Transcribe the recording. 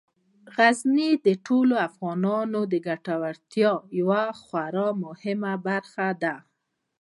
غزني د ټولو افغانانو د ګټورتیا یوه خورا مهمه برخه ده.